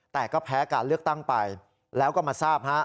แต่ก็แพ้การเลือกตั้งไปแล้วก็มาทราบ